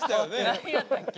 何やったっけ？